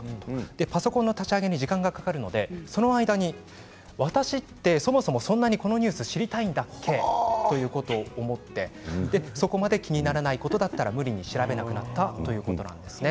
パソコンの立ち上げに時間がかかるのでその間に私ってそんなにこのニュース知りたいんだっけ？ということを思ってそこまで気にならないことだったら、無理に調べなくなったということなんです。